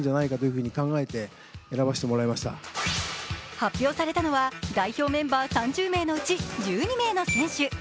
発表されたのは、代表メンバー３０名のうち１２名の選手。